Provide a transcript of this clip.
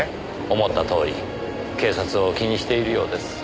思ったとおり警察を気にしているようです。